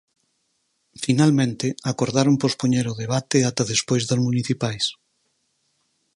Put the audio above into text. Finalmente acordaron pospoñer o debate ata despois das municipais.